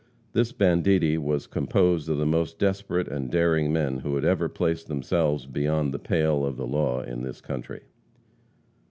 This banditti was composed of the most desperate and daring men who had ever placed themselves beyond the pale of the law in this country.